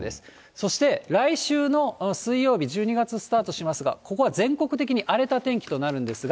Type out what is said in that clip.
そして、来週の水曜日、１２月スタートしますが、ここは全国的に荒れた天気となるんですが。